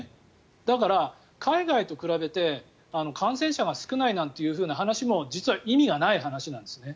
だから、海外と比べて感染者が少ないなんていう話も実は意味がない話なんですね。